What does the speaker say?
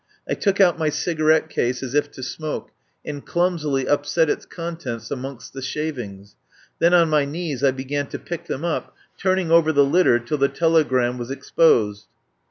I took out my cigarette case as if to smoke, and clumsily upset its contents amongst the shavings. Then on my knees I began to pick them up, turn ing over the litter till the telegram was ex posed.